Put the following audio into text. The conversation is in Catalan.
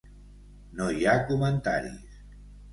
No hi ha comentaris.